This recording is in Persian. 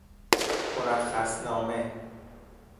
مرخص نامه